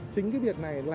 chính cái việc này